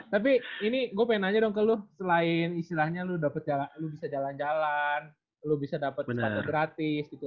tapi ini gue pengen aja dong ke lo selain istilahnya lo bisa jalan jalan lu bisa dapat sepatu gratis gitu